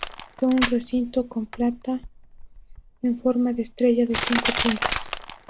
Fue un recinto con planta en forma de estrella de cinco puntas.